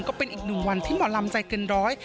ก็เป็นอีกหนึ่งวันที่หมอลำใจเกินร้อย